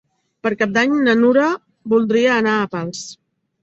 Per Cap d'Any na Nura voldria anar a Pals.